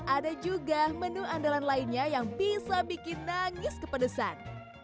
ada juga menu andalan lainnya yang bisa bikin nangis kepedesan